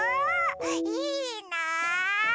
いいな！